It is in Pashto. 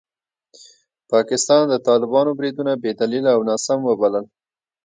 پاکستان د طالبانو بریدونه بې دلیله او ناسم وبلل.